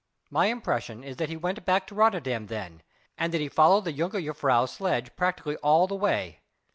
My impression is that he went back to Rotterdam then, and that he followed the jongejuffrouw's sledge practically all the way.